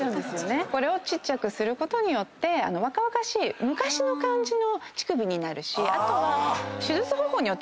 これをちっちゃくすることによって若々しい昔の感じの乳首になるしあとは。